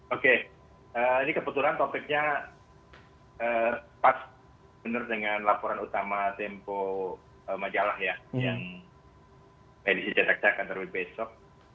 oke ini kebetulan topiknya pas benar dengan laporan utama tempo majalah yang dijatak jatakan hari besok